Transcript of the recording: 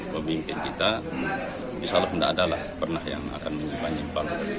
pemimpin kita insyaallah benda adalah pernah yang akan menyimpang nyimpang